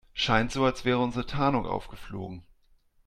Scheint so, als wäre unsere Tarnung aufgeflogen.